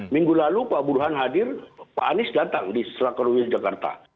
minggu lalu pak buruhan hadir pak anies datang di raker wil jakarta